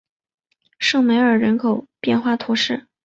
圣梅尔人口变化图示